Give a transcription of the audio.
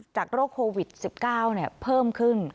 โรคโควิด๑๙เพิ่มขึ้น